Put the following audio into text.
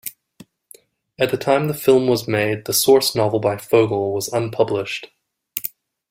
At the time the film was made, the source novel by Fogle was unpublished.